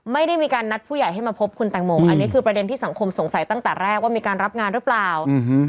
ไม่ได้มีการนัดผู้ใหญ่ให้มาพบคุณแตงโมอันนี้คือประเด็นที่สังคมสงสัยตั้งแต่แรกว่ามีการรับงานหรือเปล่า